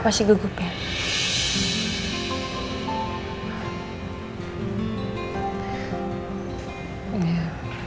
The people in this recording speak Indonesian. pak pak si gugup ya